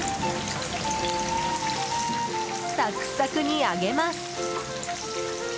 サクサクに揚げます。